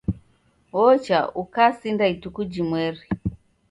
Wocha, ukasinda ituku jhimweri